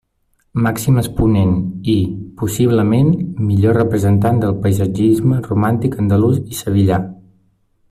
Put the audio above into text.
Màxim exponent i, possiblement, millor representant del paisatgisme romàntic andalús i sevillà.